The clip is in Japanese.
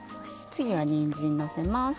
次はにんじんのせます。